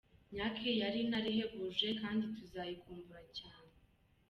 "Nyack yari intare ihebuje kandi tuzayikumbura cyane.